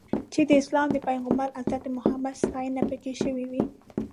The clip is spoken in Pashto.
چې د اسلام د پیغمبر حضرت محمد ستاینه پکې شوې وي.